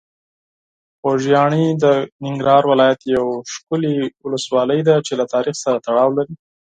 خوږیاڼي د ننګرهار ولایت یوه ښکلي ولسوالۍ ده چې له تاریخ سره تړاو لري.